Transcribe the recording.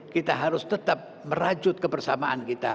kita harus tetap merajut kebersamaan kita